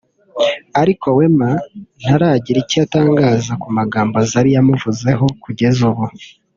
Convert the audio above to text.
Ariko Wema ntaragira icyo atangaza ku magambo Zari yamuvuzeho ku jyeza ubu